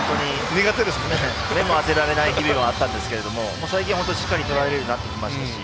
目も当てられない日々だったんですが最近しっかり当てられるようになってきました。